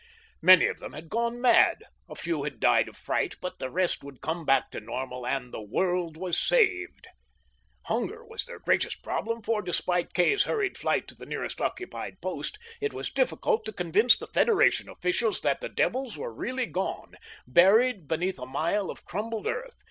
Many of them had gone mad, a few had died of fright, but the rest would come back to normal, and the world was saved. Hunger was their greatest problem, for, despite Kay's hurried flight to the nearest occupied post, it was difficult to convince the Federation officials that the devils were really gone, buried beneath a mile of crumbled earth.